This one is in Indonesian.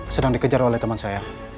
sedang dikejar oleh teman saya